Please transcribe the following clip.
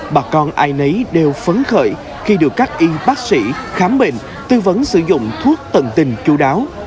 bà con ai nấy đều phấn khởi khi được các y bác sĩ khám bệnh tư vấn sử dụng thuốc tận tình chú đáo